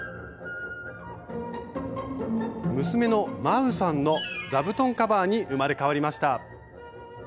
娘のまうさんの「座布団カバー」に生まれ変わりました。